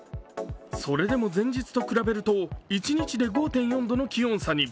それでも前日と比べると一日で５．４度の気温差に。